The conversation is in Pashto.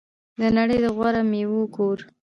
د نړۍ د غوره میوو کور.